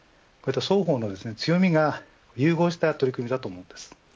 双方の強みが融合した取り組みだと思うんです。